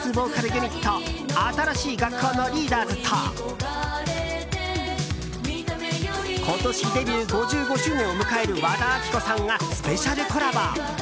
ユニット新しい学校のリーダーズと今年デビュー５５周年を迎える和田アキ子さんがスペシャルコラボ。